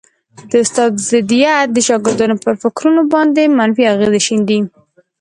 د استاد ضدیت د شاګردانو پر فکرونو باندي منفي اغېز شیندي